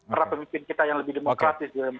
para pemimpin kita yang lebih demokratis